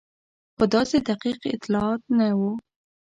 خو داسې دقیق اطلاعات نه وو.